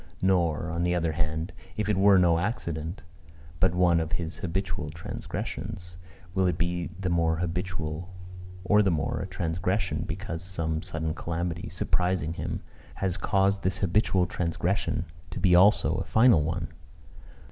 Nor, on the other hand, if it were no accident, but one of his habitual transgressions, will it be the more habitual or the more a transgression, because some sudden calamity, surprising him, has caused this habitual transgression to be also a final one?